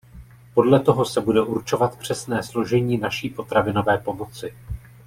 Podle toho se bude určovat přesné složení naší potravinové pomoci.